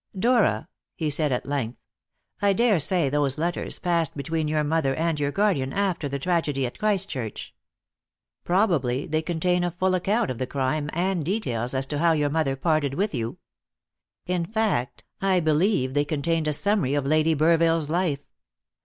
"Dora," he said at length, "I dare say those letters passed between your mother and your guardian after the tragedy at Christchurch. Probably they contained a full account of the crime, and details as to how your mother parted with you. In fact, I believe they contained a summary of Lady Burville's life.